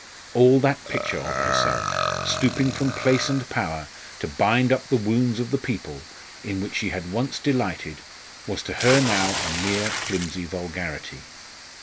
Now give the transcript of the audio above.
All that picture of herself, stooping from place and power, to bind up the wounds of the people, in which she had once delighted, was to her now a mere flimsy vulgarity.